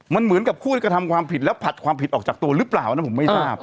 มันเหมือนกับผู้กระทำความผิดแล้วผลัดความผิดออกจากตัวหรือเปล่านะผมไม่ทราบ